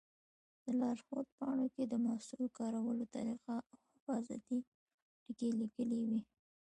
د لارښود په پاڼو کې د محصول کارولو طریقه او حفاظتي ټکي لیکلي وي.